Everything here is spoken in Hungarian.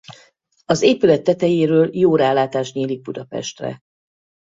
Az épület tetejéről jó rálátás nyílik Budapestre.